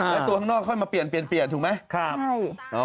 แล้วตัวข้างนอกค่อยมาเปลี่ยนเปลี่ยนเปลี่ยนถูกไหมครับใช่อ๋อ